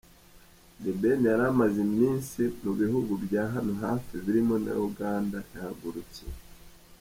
The Ben yari amaze iminsi mu bihugu bya hano hafi birimo na Uganda yahagurukiye.